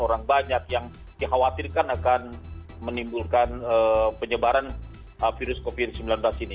orang banyak yang dikhawatirkan akan menimbulkan penyebaran virus covid sembilan belas ini